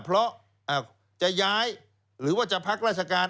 เพราะจะย้ายหรือว่าจะพักราชการ